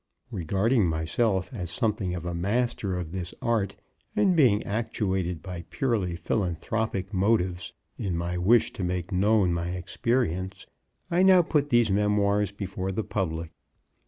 Regarding myself as something of a master of this art, and being actuated by purely philanthropic motives in my wish to make known my experience, I now put these memoirs before the public.